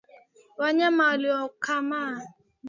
wanyama waliokomaa